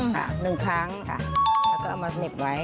หนึ่งครั้งค่ะแล้วก็เอามาเสน็บไว้